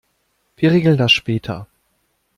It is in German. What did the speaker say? Wir regeln das später.